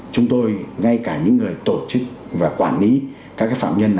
chúng tôi ngay cả những người tổ chức và quản lý các phạm nhân